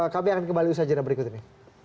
kami akan kembali usaha jadwal berikut ini